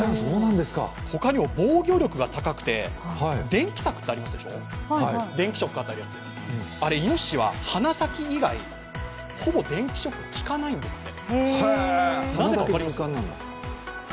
他にも防御力が高くて、電気柵ってありますでしょうあれ、いのししは鼻先以外、ほぼ電気ショック効かないんですって。